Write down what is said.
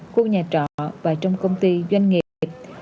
khu nhà trọ và trong công ty doanh nghiệp